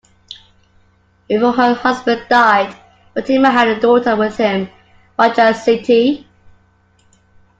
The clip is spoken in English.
Before her husband died, Fatimah had a daughter with him, Raja Siti.